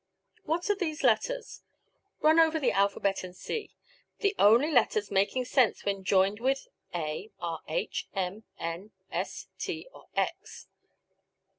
What are these letters? Run over the alphabet and see. The only letters making sense when joined with a are h, m, n, s, t or x.